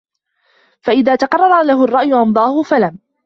فَإِذَا تَقَرَّرَ لَهُ الرَّأْيُ أَمْضَاهُ فَلَمْ